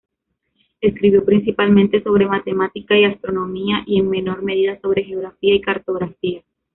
Escribió principalmente sobre matemáticas y astronomía, y en menor medida sobre geografía y cartografía.